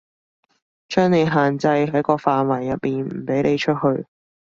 將你限制喺個範圍入面，唔畀你出去